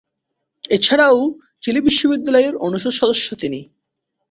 এছাড়াও, চিলি বিশ্ববিদ্যালয়ের অনুষদ সদস্য তিনি।